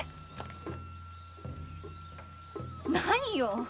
何よ！